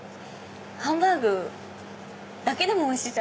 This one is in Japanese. ハンバーグだけでもおいしい。